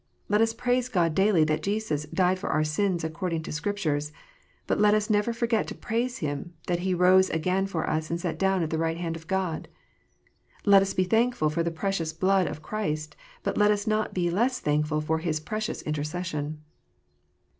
Let us praise God daily that Jesus " died for our sins according to the Scriptures ;" but let us never forget to praise Him that He "rose again for us, and sat down at the right hand of God." Let us be thankful for the precious blood of Christ ; but let us not be less thankful for His precious intercession.